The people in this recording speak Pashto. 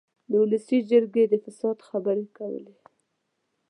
د اولسي جرګې د فساد خبرې کولې.